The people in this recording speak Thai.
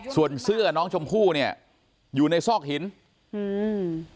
ส่วนเสื้อน้องชมพู่เนี่ยอยู่ในซอกหินอืม